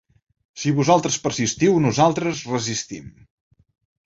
Si vosaltres persistiu nosaltres resistim.